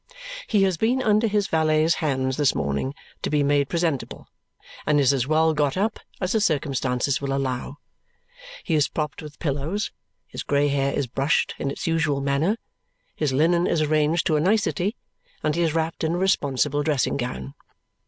He has been under his valet's hands this morning to be made presentable and is as well got up as the circumstances will allow. He is propped with pillows, his grey hair is brushed in its usual manner, his linen is arranged to a nicety, and he is wrapped in a responsible dressing gown.